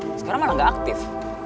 ck sekarang malah gak aktif